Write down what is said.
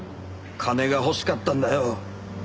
金が欲しかったんだよ。